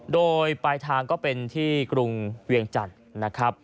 โดยปลายทางก็เป็นที่กรุงเวียงจันทร์นะครับ